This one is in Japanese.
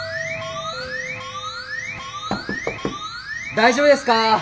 ・大丈夫ですか！？